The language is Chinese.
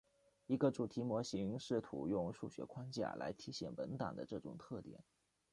一个主题模型试图用数学框架来体现文档的这种特点。